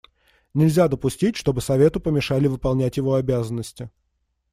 Нельзя допустить, чтобы Совету помешали выполнять его обязанности.